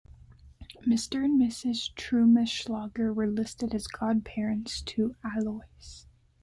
Mr and Mrs Trummelschlager were listed as godparents to Alois.